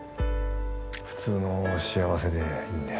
普通の幸せでいいんで